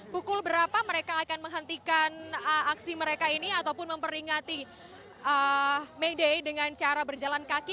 pukul berapa mereka akan menghentikan aksi mereka ini ataupun memperingati may day dengan cara berjalan kaki